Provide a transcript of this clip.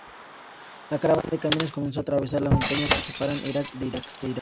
La caravana de camiones comenzó a atravesar las montañas que separan Irán de Irak.